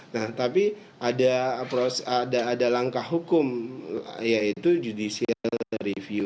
nah tapi ada langkah hukum yaitu judicial review